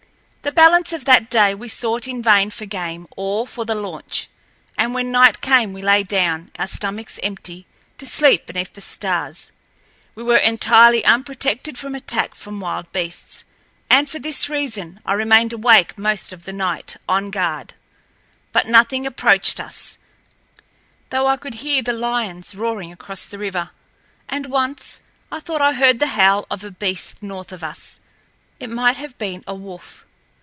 The balance of that day we sought in vain for game or for the launch, and when night came we lay down, our stomachs empty, to sleep beneath the stars. We were entirely unprotected from attack from wild beasts, and for this reason I remained awake most of the night, on guard. But nothing approached us, though I could hear the lions roaring across the river, and once I thought I heard the howl of a beast north of us—it might have been a wolf.